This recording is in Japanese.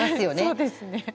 そうですね。